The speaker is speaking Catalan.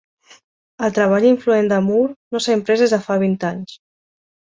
El treball influent de Moore no s'ha imprès des de fa vint anys.